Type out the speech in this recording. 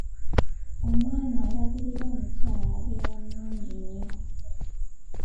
Omwami alabirira omukyala abeera mulungi nnyo.